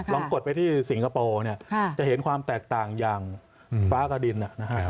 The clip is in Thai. กดไปที่สิงคโปร์เนี่ยจะเห็นความแตกต่างอย่างฟ้ากระดิน